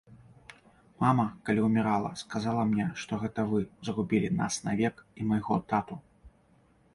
Мама, калі ўмірала, сказала мне, што гэта вы згубілі нас навек і майго тату.